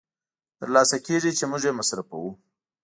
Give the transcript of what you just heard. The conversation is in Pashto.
تر لاسه کېږي چې موږ یې مصرفوو